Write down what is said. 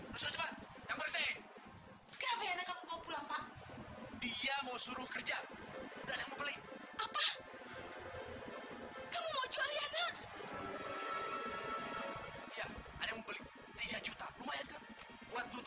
kerja dan membeli apa kamu mau jual ya nak hai yang ada membeli tiga juta lumayan buat